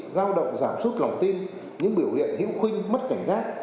giao động giảm sút lòng tin những biểu hiện hữu khuynh mất cảnh giác